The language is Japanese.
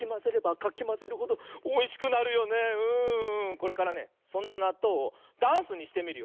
これからねそんななっとうをダンスにしてみるよ。